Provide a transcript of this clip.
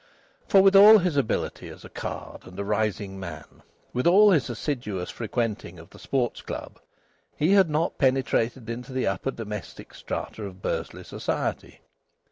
For, with all his ability as a card and a rising man, with all his assiduous frequenting of the Sports Club, he had not penetrated into the upper domestic strata of Bursley society.